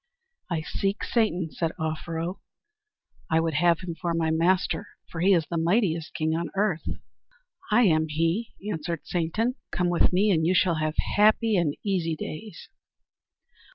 "I seek Satan," said Offero. "I would have him for my master, for he is the mightiest king on earth." "I am he," answered Satan. "Come with me and you shall have happy and easy days."